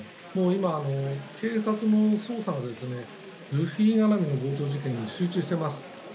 今、警察の捜査がルフィ絡みの強盗事件に集中しています。